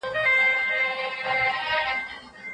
د بشري ټولني تکامل يو حتمي امر ګڼل کيږي.